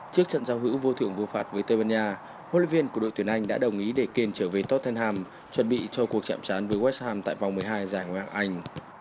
trước trận giao hữu vô thưởng vô phạt với tây ban nha huấn luyện viên của đội tuyển anh đã đồng ý để kane trở về tottenham chuẩn bị cho cuộc chạm trán với west ham tại vòng một mươi hai giải ngoại hạng anh